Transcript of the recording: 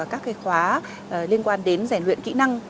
các khóa liên quan đến rèn luyện kỹ năng